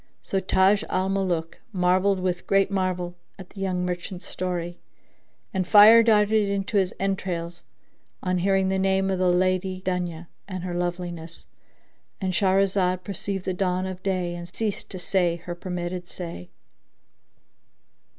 So Taj al Muluk marvelled with great marvel at the young merchant's story, and fire darted into his entrails on hearing the name of the Lady Dunya and her loveliness.—And Shahrazad perceived the dawn of day and ceased to say her permitted say.